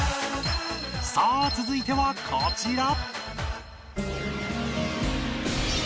さあ続いてはこちら